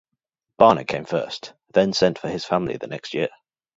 Barnet came first, then sent for his family the next year.